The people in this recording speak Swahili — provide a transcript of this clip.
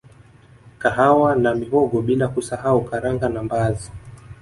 Kahawa na mihogo bila kusahau Karanga na mbaazi